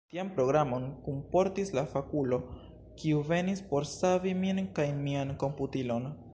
Tian programon kunportis la fakulo, kiu venis por savi min kaj mian komputilon.